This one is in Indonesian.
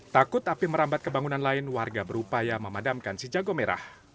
takut api merambat ke bangunan lain warga berupaya memadamkan si jago merah